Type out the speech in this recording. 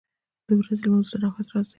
• د ورځې لمونځ د راحت راز دی.